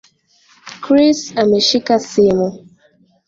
Chris ameshika simu